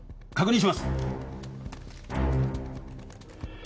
確認します。